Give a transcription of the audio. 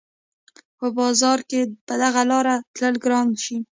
په باران کښې په دغه لاره تلل ګران شي